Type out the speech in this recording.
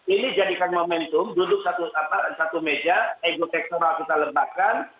ini jadikan momentum duduk satu meja ego sektoral kita lembahkan